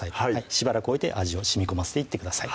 しばらく置いて味をしみこませていってください